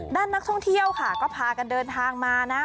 ด้านนักท่องเที่ยวค่ะก็พากันเดินทางมานะ